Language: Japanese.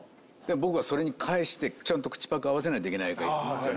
僕はそれに返してちゃんと口パク合わせないといけないじゃないですか。